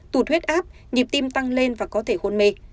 tụt huyết áp nhịp tim tăng lên và có thể hôn mê